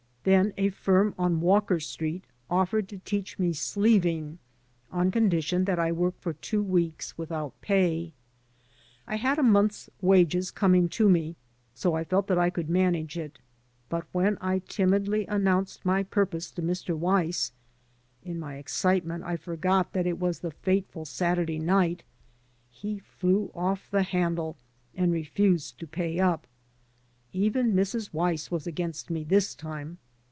Then a firm on Walker Street offered to teach me sleeving, on condition that I work for two weeks without pay. I had a month's wages coming to me, so I felt that I could manage it; but when I timidly announced my purpose to Mr. Weiss — ^in my excitement I forgot that it was the fateful Saturday night — ^he flew off the handle and refused to pay up. Even Mrs. Weiss was against me this time.